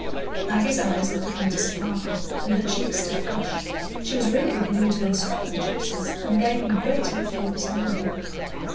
Maggie's eyes had begun to sparkle and her cheeks to flush,—she was really beginning to instruct the gypsies, and gaining great influence over them.